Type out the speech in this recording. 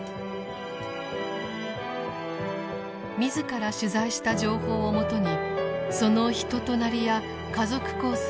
自ら取材した情報をもとにその人となりや家族構成